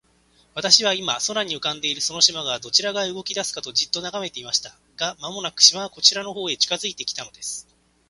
私は、今、空に浮んでいるその島が、どちら側へ動きだすかと、じっと眺めていました。が、間もなく、島はこちらの方へ近づいて来たのです。